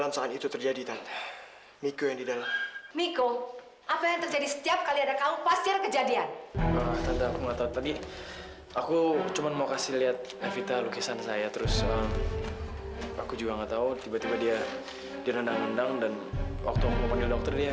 sampai jumpa di video selanjutnya